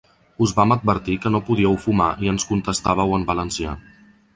Us vam advertir que no podíeu fumar i ens contestàveu en valencià.